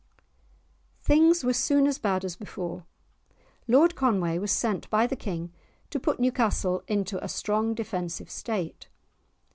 Things were soon as bad as before. Lord Conway was sent by the King to put Newcastle into a strong defensive state.